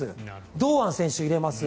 堂安選手を入れます